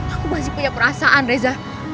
aku masih punya perasaan reza